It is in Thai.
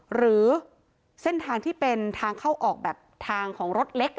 หรือเส้นทางที่เป็นทางเข้าออกแบบทางของรถเล็ก